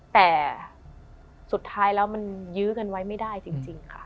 แต่สุดท้ายแล้วมันยื้อกันไว้ไม่ได้จริงค่ะ